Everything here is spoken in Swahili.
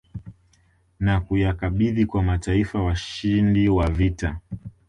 Na kuyakabidhi kwa mataifa washindi wa vita